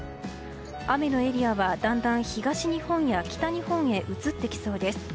雨のエリアはだんだん東日本や北日本へ移ってきそうです。